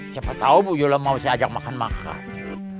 siapa tau bu yola mau saya ajak makan makan